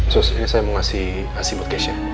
sus ini saya mau kasih asibot cashnya